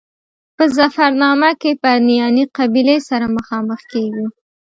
په ظفرنامه کې پرنیاني قبیلې سره مخامخ کېږو.